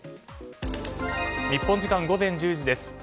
日本時間午前１０時です。